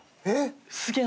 すげえ。